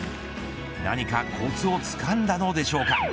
何かコツをつかんだのでしょうか。